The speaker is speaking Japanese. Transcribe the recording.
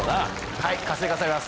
はい活性化されます。